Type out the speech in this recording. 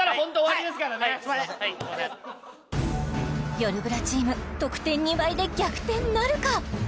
よるブラチーム得点２倍で逆転なるか？